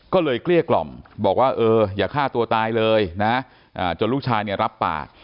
ก็เลยเกลี้ยกล่อมบอกว่าเอออย่าฆ่าตัวตายเลยนะจนลูกชายเนี่ยรับปาก